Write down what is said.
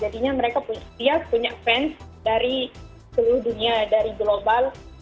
jadinya mereka dia punya fans dari seluruh dunia dari global